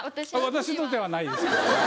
私のではないですけどね。